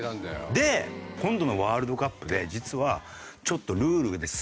今度のワールドカップで実はちょっと。